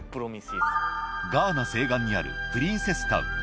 ガーナ西岸にあるプリンセスタウン。